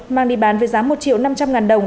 mang đi bán với giá một triệu năm trăm linh ngàn đồng